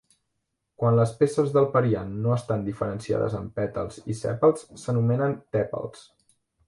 Quan les peces del periant no estan diferenciades en pètals i sèpals s'anomenen tèpals.